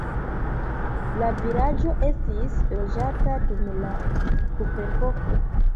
La vilaĝo estis loĝata dum la kuprepoko.